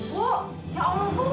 bu ya allah bu